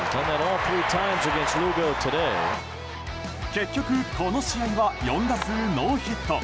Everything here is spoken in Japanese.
結局、この試合は４打数ノーヒット。